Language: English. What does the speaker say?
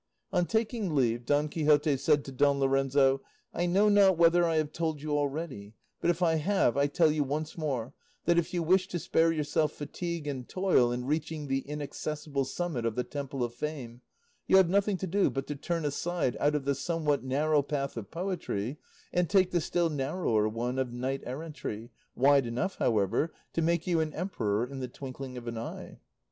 On taking leave, Don Quixote said to Don Lorenzo, "I know not whether I have told you already, but if I have I tell you once more, that if you wish to spare yourself fatigue and toil in reaching the inaccessible summit of the temple of fame, you have nothing to do but to turn aside out of the somewhat narrow path of poetry and take the still narrower one of knight errantry, wide enough, however, to make you an emperor in the twinkling of an eye."